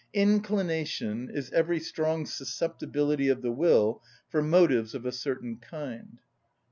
Inclination is every strong susceptibility of the will for motives of a certain kind.